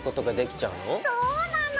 そうなの！